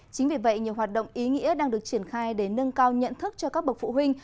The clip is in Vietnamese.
chính vì vậy nhiều hoạt động ý nghĩa đang được triển khai để nâng cao nhận thức cho các bậc phụ huynh